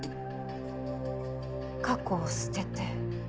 過去を捨てて。